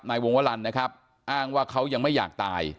นายวงวลันนะครับอ้างว่าเขายังไม่อยากตาย